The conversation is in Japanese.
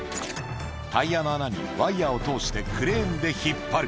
タイヤの穴にワイヤを通して、クレーンで引っ張る。